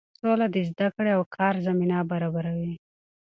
سوله د زده کړې او کار زمینه برابروي.